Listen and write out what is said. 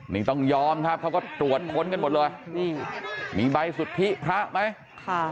นี่ต้องยอมครับเขาก็ตรวจค้นกันหมดเลยนี่มีใบสุทธิพระไหมค่ะ